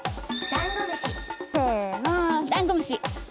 せのダンゴムシ！